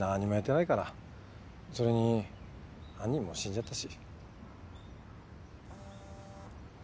それに犯人も死んじゃったし。